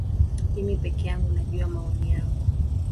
Mimi peke yangu najua maono yangu.